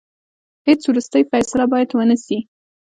هیڅ وروستۍ فیصله باید ونه سي.